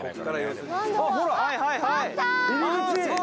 はいはいはい。